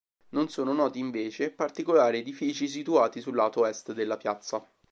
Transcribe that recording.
Non sono noti, invece, particolari edifici situati sul lato est della piazza.